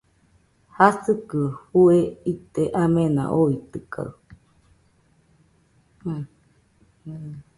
Jasikɨ fue ite amena oitɨkaɨ